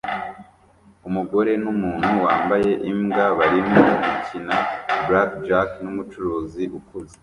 Umugore numuntu wambaye imbwa barimo gukina blackjack numucuruzi ukuze